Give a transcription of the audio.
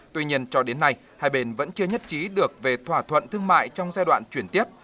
tuy nhiên cho đến nay hai bên vẫn chưa nhất trí được về thỏa thuận thương mại trong giai đoạn chuyển tiếp